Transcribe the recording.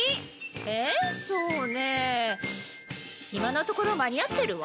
今のところ間に合ってるわ。